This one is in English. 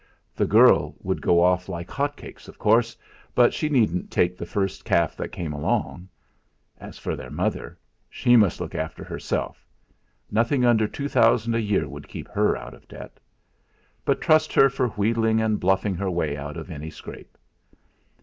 The girl would go off like hot cakes, of course, but she needn't take the first calf that came along. As for their mother, she must look after herself; nothing under two thousand a year would keep her out of debt. But trust her for wheedling and bluffing her way out of any scrape!